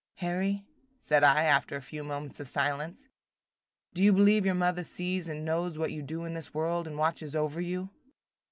"Harry," said I, after a few moments of silence, "do you believe your mother sees and knows what you do in this world, and watches over you?"